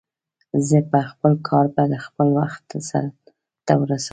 زه به خپل کار په خپل وخت سرته ورسوم